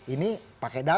ini pakai data